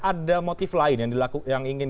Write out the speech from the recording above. ada motif lain yang ingin